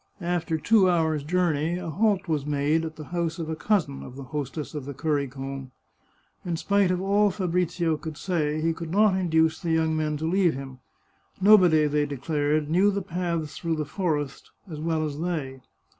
After two hours' journey a halt was made at the house of a cousin of the hostess of The Currycomb. In spite of all Fabrizio could say he could not induce the 76 The Chartreuse of Parma young men to leave him. Nobody, they declared, knew the paths through the forest as well as they